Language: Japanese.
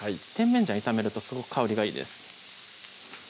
甜麺醤炒めるとすごく香りがいいです